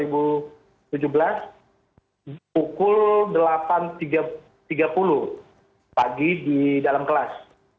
pukul delapan tiga puluh pagi di dalam kelas